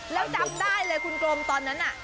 แล้วจำได้เลยคุณกรมตอนนั้นน่ะ